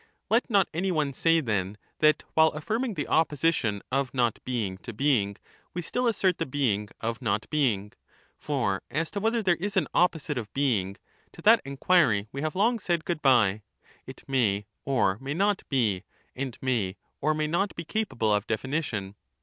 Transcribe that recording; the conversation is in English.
Let not any one say, then, that while affirming the opposition of not being to being, we still assert the being of not being ; for as to whether there is an opposite of being, to that enquiry we have long said good bye— it may or may not be, and may or may not be capable of definition.